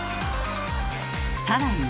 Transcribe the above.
さらに。